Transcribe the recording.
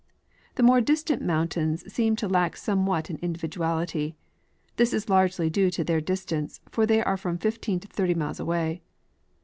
The more distant mountains seem to lack somewhat in individuality. This is largely due to their distance, for they are from fifteen to thirty miles away.